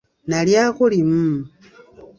Nalyako limu.